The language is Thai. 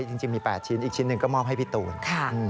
จริงมี๘ชิ้นอีกชิ้นหนึ่งก็มอบให้พี่ตูน